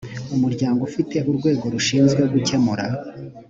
umuryango ufite urwego rushinzwe gukemura